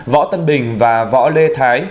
võ tân bình và võ lê thái